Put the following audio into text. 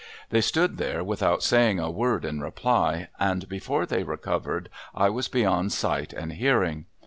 They stood there without saying a word in reply, and before they recovered I was beyond sight and hearing.